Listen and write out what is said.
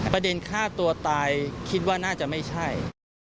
ประเด็นฆ่าตัวตายคิดว่าน่าจะไม่ใช่